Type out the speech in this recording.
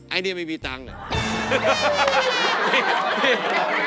ไอ้นี่ไม่มีตังค์เลย